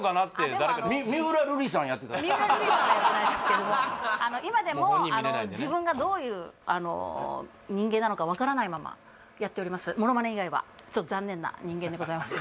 誰かの三浦瑠麗さんはやってないですけども今でも自分がどういう人間なのか分からないままやっておりますモノマネ以外はちょっと残念な人間でございます